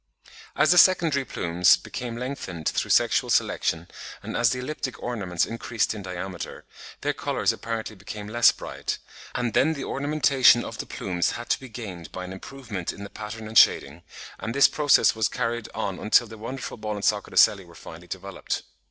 As the secondary plumes became lengthened through sexual selection, and as the elliptic ornaments increased in diameter, their colours apparently became less bright; and then the ornamentation of the plumes had to be gained by an improvement in the pattern and shading; and this process was carried on until the wonderful ball and socket ocelli were finally developed.